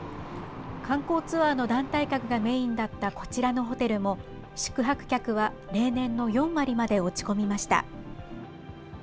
観光ツアーの団体客がメインだったこちらのホテルも宿泊客は例年の４割まで落ち込みました。